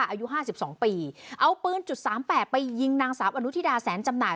อายุห้าสิบสองปีเอาปืนจุดสามแปดไปยิงนางสาวอนุทิดาแสนจำหน่าย